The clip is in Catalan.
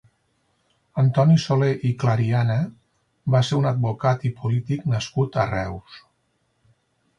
Antoni Soler i Clariana va ser un advocat i polític nascut a Reus.